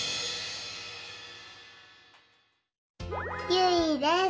ゆいです。